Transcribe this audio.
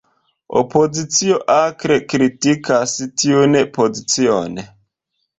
Opozicio akre kritikas tiun pozicion.